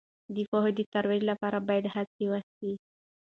د پوهې د ترویج لپاره باید هڅې وسي.